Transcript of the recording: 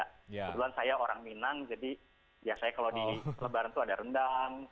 kebetulan saya orang minang jadi biasanya kalau di lebaran itu ada rendang